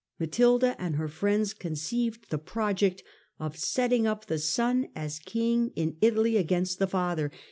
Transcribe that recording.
Matilda and her friends conceived the project of setting np the son as king in Italy against the father.